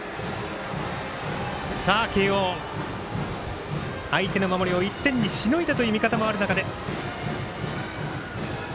慶応、相手の守りを１点にしのいだという見方もある中で。